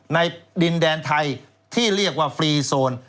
ในดินแดนไทยที่เรียกว่าฟรีโซน